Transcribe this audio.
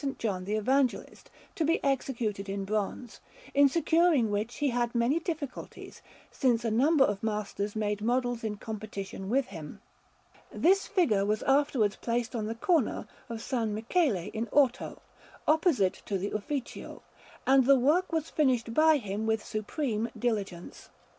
John the Evangelist, to be executed in bronze, in securing which he had many difficulties, since a number of masters made models in competition with him. This figure was afterwards placed on the corner of S. Michele in Orto, opposite to the Ufficio; and the work was finished by him with supreme diligence.